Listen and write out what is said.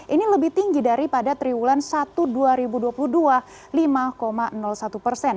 ini lebih tinggi daripada triwulan satu dua ribu dua puluh dua lima satu persen